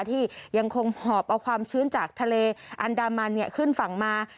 ที่ยังคงหอบเอาความชื้นจากทะเลอันดามันขึ้นฝั่งมา